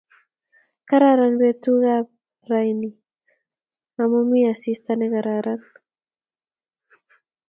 kararan betuukab rauni mii asista nekararan